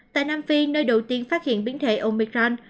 tại nam phi nơi đầu tiên phát hiện biến thể omicrand